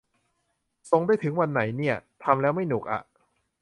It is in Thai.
ส่งได้ถึงวันไหนเนี่ย ทำแล้วไม่หนุกอ่ะ